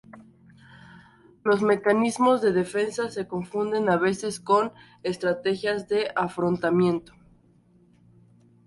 Los mecanismos de defensa se confunden a veces con estrategias de afrontamiento.